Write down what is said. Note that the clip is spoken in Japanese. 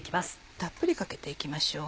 たっぷりかけて行きましょう。